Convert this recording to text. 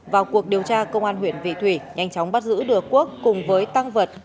vào cuộc điều tra công an huyện vị thủy nhanh chóng bắt giữ được quốc cùng với tăng vật